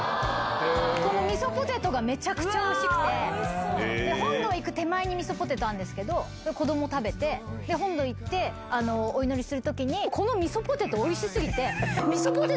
みそポテトがめちゃくちゃおいしくて本殿行く手前にみそポテトあるんですけど子供が食べてで本堂行ってお祈りする時にこのみそポテトおいし過ぎて。